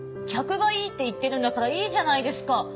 客がいいって言ってるんだからいいじゃないですか！